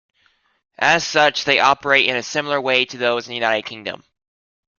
As such, they operate in a similar way to those in the United Kingdom.